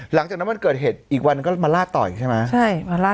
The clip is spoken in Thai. หลังจากนั้นวันเกิดเหตุอีกวันก็มาลาดต่อยใช่ไหมใช่มาลาด